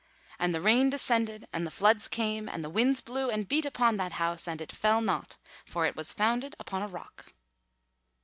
"'_And the rain descended, and the floods came, and the winds blew, and beat upon that house; and it fell not; for it was founded upon a rock.